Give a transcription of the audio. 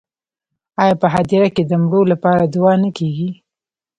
آیا په هدیره کې د مړو لپاره دعا نه کیږي؟